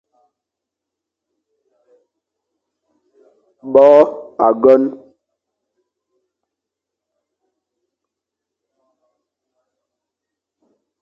Bo âgon.